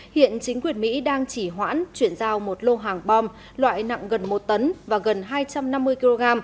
hiện chính quyền mỹ đang chỉ hoãn chuyển giao một lô hàng bom loại nặng gần một tấn và gần hai trăm năm mươi kg